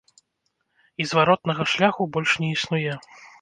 І зваротнага шляху больш не існуе.